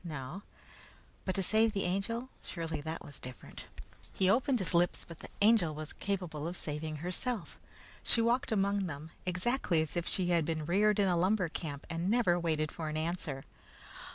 No. But to save the Angel surely that was different. He opened his lips, but the Angel was capable of saving herself. She walked among them, exactly as if she had been reared in a lumber camp, and never waited for an answer.